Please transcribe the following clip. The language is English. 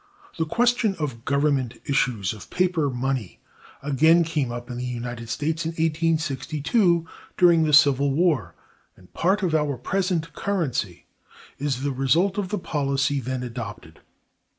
The question of government issues(253) of paper money again came up in the United States in 1862, during the civil war, and part of our present currency is the result of the policy then adopted.